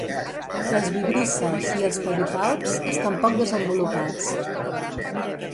Les vibrisses i els pedipalps estan poc desenvolupats.